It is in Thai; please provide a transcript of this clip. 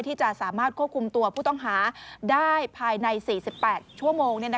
ที่จะสามารถควบคุมตัวผู้ต้องหาได้ภายใน๔๘ชั่วโมง